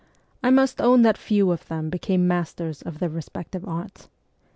I must own that few of them became masters of their respective arts.